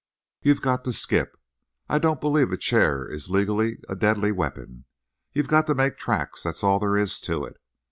You've got to skip. I don't believe a chair is legally a deadly weapon. You've got to make tracks, that's all there is to it."